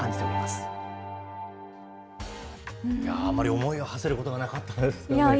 あまり思いをはせることはなかったですよね。